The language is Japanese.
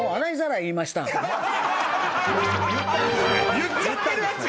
言っちゃってるやつよ